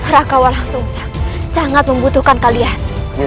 rakawan langsung sangat membutuhkan kalian